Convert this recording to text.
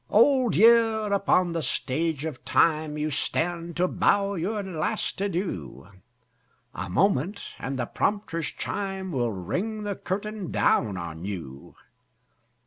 Old Year! upon the Stage of Time You stand to bow your last adieu; A moment, and the prompter's chime Will ring the curtain down on you.